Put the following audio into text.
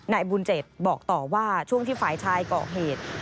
นายบุญเจ็ดบอกต่อว่าช่วงที่ฝ่ายชายเกาะเหตุ